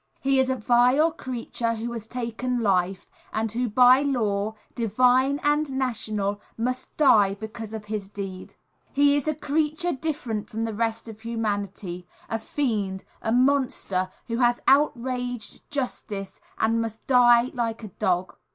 He is a vile creature who has taken life, and who by law, divine and national, must die because of his deed. He is a creature different from the rest of humanity, a fiend, a monster, who has outraged Justice, and must die like a dog.